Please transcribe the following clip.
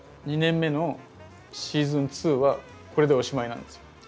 ２年目のシーズン２はこれでおしまいなんですよ。